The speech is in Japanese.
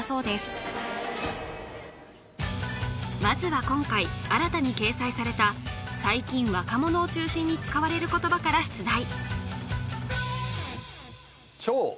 まずは今回新たに掲載された最近若者を中心に使われる言葉から出題